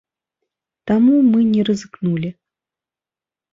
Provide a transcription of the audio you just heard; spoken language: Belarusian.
Таму мы не рызыкнулі.